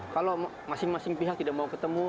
kalau masing masing pihak tidak mau ketemu